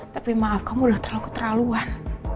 tapi maaf kamu udah terlalu keterlaluan